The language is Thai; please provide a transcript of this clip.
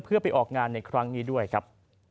เพื่อไปออกงานในครั้งนี้ด้วยครับ